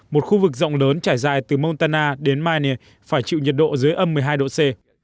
một khu vực rộng lớn trải dài từ montana đến minie phải chịu nhiệt độ dưới âm một mươi hai độ c